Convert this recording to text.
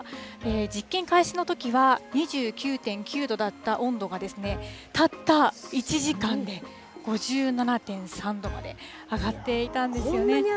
実験開始のときは２９．９度だった温度がですね、たった１時間で５７．３度まで上がっていたんですよね。